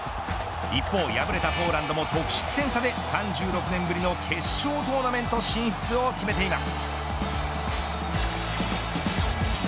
一方、敗れたポーランドも得失点差で３６年ぶりの決勝トーナメント進出を決めています。